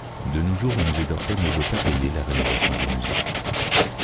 De nos jours le musée d'Orsay ne veut pas payer la rénovation du musée.